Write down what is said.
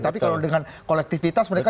tapi kalau dengan kolektivitas mereka